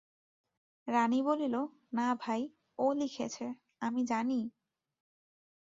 রানী বলিল, না ভাই, ও লিখেছে, আমি জানি!